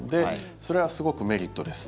それはすごくメリットです。